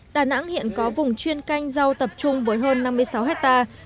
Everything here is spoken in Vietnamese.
đà nẵng hiện có vùng chuyên canh rau tập trung với hơn năm mươi sáu hectare